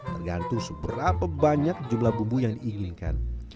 tergantung seberapa banyak jumlah bumbu yang diinginkan